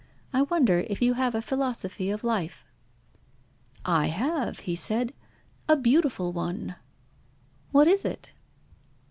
I wonder if you have a philosophy of life?" "I have," he said, "a beautiful one." "What is it?"